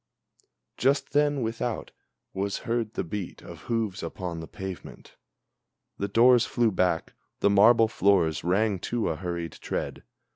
Just then, without, was heard the beat of hoofs upon the pavement, The doors flew back, the marble floors rang to a hurried tread.